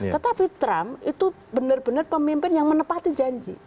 tetapi trump itu benar benar pemimpin yang menepati janji